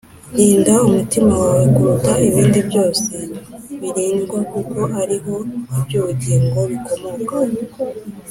rinda umutima wawe kuruta ibindi byose birindwa, kuko ari ho iby’ubugingo bikomokaho